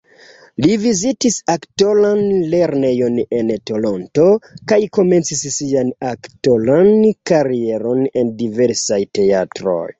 Li vizitis aktoran lernejon en Toronto kaj komencis sian aktoran karieron en diversaj teatroj.